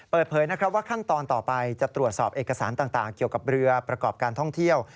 เปิดเผยนะครับว่าขั้นตอนต่อไปจะตรวจสอบเอกสารต่างเกี่ยวกับเรือประกอบการท่องเที่ยว